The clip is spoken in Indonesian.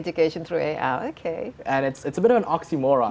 dan itu agak seperti sebuah oksimoron kan